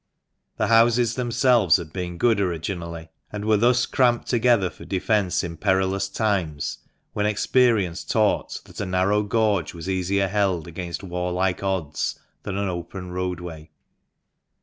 The houses themselves had been good originally, and were thus cramped together for defence in perilous times, when experience taught that a narrow gorge was easier held against warlike odds than an open roadway.